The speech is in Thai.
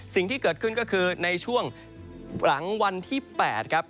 สิ่งที่เกิดขึ้นก็คือในช่วงหลังวันที่๘ครับ